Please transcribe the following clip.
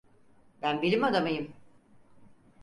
Ben bilim adamıyım.